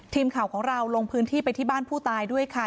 ทีมข่าวของเราลงพื้นที่ไปที่บ้านผู้ตายด้วยค่ะ